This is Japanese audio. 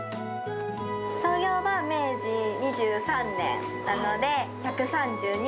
創業は明治２３年なので、１３２年。